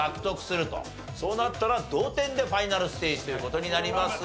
そうなったら同点でファイナルステージという事になりますが。